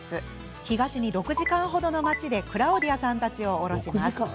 東に６時間程の街でクラオディアさんたちを降ろします。